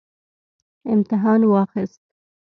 امتحان واخیست